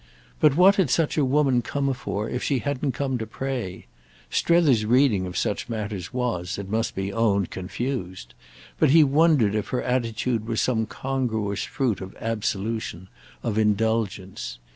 But what had such a woman come for if she hadn't come to pray? Strether's reading of such matters was, it must be owned, confused; but he wondered if her attitude were some congruous fruit of absolution, of "indulgence."